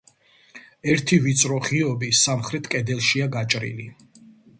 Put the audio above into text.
ერთი ვიწრო ღიობი სამხრეთ კედელშია გაჭრილი.